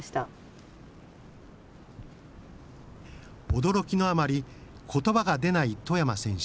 驚きのあまりことばが出ない外山選手。